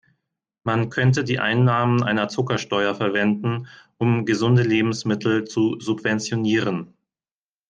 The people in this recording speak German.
Man könnte die Einnahmen einer Zuckersteuer verwenden, um gesunde Lebensmittel zu subventionieren.